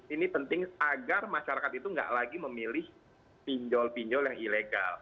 ini penting agar masyarakat itu nggak lagi memilih pinjol pinjol yang ilegal